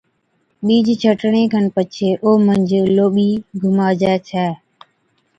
ٻِيج ڇٽڻي کن پڇي او منجھ لوٻِي گھُماجَي ڇَي،